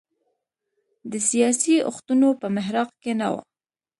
د سیاسي اوښتونونو په محراق کې نه و.